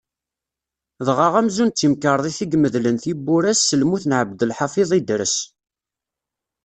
Dɣa amzun d timkerḍit i imedlen tiwura-s s lmut n Ɛebdelḥafiḍ Idres.